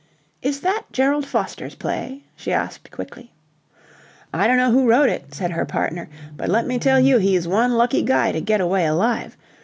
"Is that Gerald Foster's play?" she asked quickly. "I don't know who wrote it," said her partner, "but let me tell you he's one lucky guy to get away alive.